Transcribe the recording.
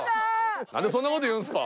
何でそんなこと言うんですか。